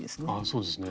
そうですね。